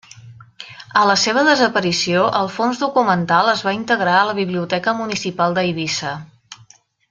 A la seva desaparició el fons documental es va integrar a la Biblioteca Municipal d'Eivissa.